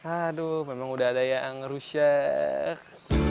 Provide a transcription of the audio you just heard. aduh memang udah ada yang rusak